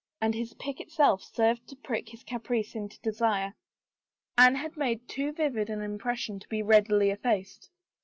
And his pique itself served to prick his caprice into desire. Anne had made too vivid an impression to be readily effaced.